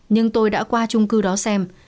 nhưng tôi đã qua chung cư đó xem